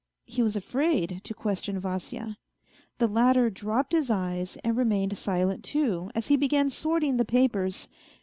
He was afraid to question Vasya. The latter dropped his eyes and remained silent too, as he began sorting the papers.